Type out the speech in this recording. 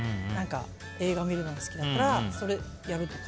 映画見るのが好きだからそれをやるとか。